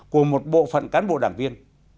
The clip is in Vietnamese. của một bộ phận cán bộ đảng viên